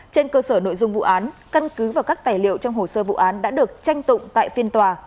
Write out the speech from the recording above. trên cơ sở nội dung vụ án căn cứ và các tài liệu trong hồ sơ vụ án đã được tranh tụng tại phiên tòa